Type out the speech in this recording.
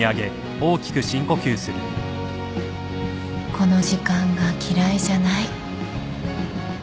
この時間が嫌いじゃない